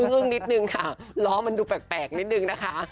อึ้งนิดนึงค่ะล้อมันดูแปลกนิดนึงนะคะ